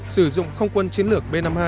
sử dụng không quân chiến lược b năm mươi hai